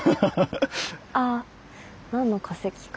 あ何の化石か。